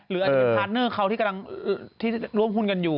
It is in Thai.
หรืออาจจะเป็นพาร์ทเนอร์เขาที่กำลังที่ร่วมหุ้นกันอยู่